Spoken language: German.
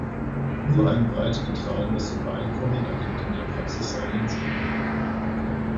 Nur ein breit getragenes Übereinkommen ergibt in der Praxis einen Sinn.